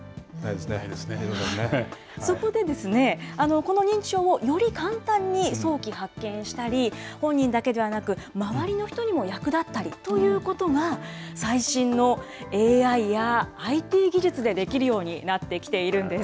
そこでですね、この認知症をより簡単に早期発見したり、本人だけではなく、周りの人にも役立ったりということが、最新のＡＩや、ＩＴ技術でできるようになってきているんです。